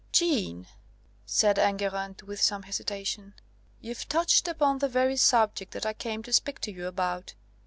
"Jeanne," said Enguerrand, with some hesitation, "you've touched upon the very subject that I came to speak to you about.